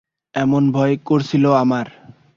এমন ভয় করছিল আমার!